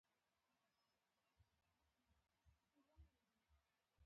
دا په درېیمې نړۍ کې برخلاف و.